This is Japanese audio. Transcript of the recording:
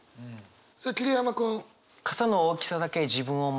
さあ桐山君。